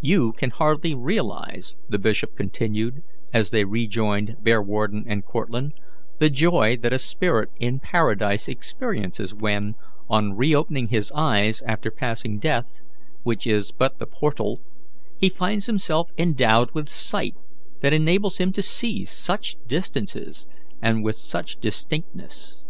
"You can hardly realize," the bishop continued, as they rejoined Bearwarden and Cortlandt, "the joy that a spirit in paradise experiences when, on reopening his eyes after passing death, which is but the portal, he finds himself endowed with sight that enables him to see such distances and with such distinctness.